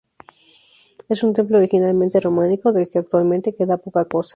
Es un templo originalmente románico, del que actualmente queda poca cosa.